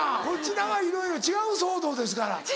こちらはいろいろ違う騒動ですから。